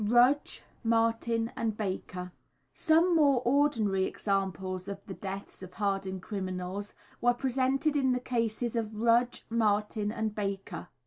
Rudge, Martin and Baker. Some more ordinary examples of the deaths of hardened criminals were presented in the cases of Rudge, Martin and Baker.